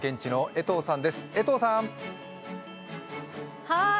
江藤さん。